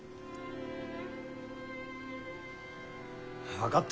分かった。